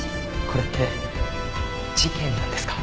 これって事件なんですか？